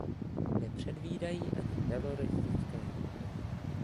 Nepředvídají ani teroristické útoky.